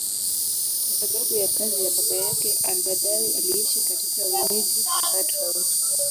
Kwa sababu ya kazi ya baba yake, al-Badawi aliishi katika miji kadhaa tofauti.